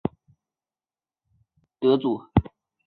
迄今为止学校已经培养出了九位诺贝尔奖得主。